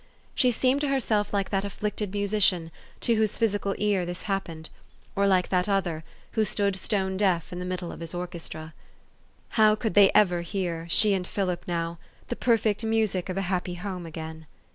She seemed to herself like that afflicted musician to whose physical ear this happened ; or like that other, who stood stone deaf in the middle of his orchestra. How could they ever hear she and Philip now the perfect music of a happy home again